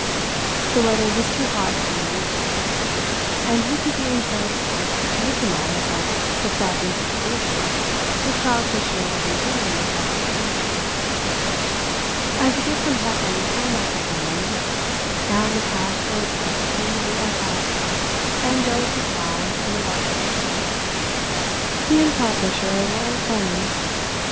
The weather was too hot to be malicious, and who could be uncharitable, victimised by the flapping sensations which Frau Fischer was enduring until six thirty? As a gift from heaven for my forbearance, down the path towards us came the Herr Rat, angelically clad in a white silk suit. He and Frau Fischer were old friends.